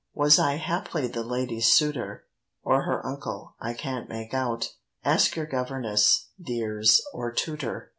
Was I haply the lady's suitor? Or her uncle? I can't make out— Ask your governess, dears, or tutor.